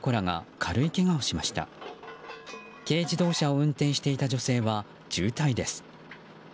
軽自動車を運転していた女性は重体です。